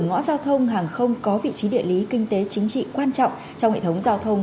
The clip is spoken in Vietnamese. ngõ giao thông hàng không có vị trí địa lý kinh tế chính trị quan trọng trong hệ thống giao thông